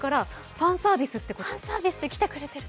ファンサービスで来てくれてる。